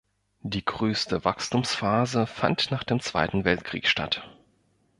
Die größte Wachstumsphase fand nach dem Zweiten Weltkrieg statt.